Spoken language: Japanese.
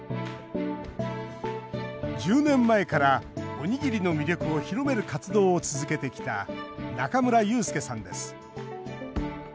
１０年前から、おにぎりの魅力を広める活動を続けてきた中村祐介さんです。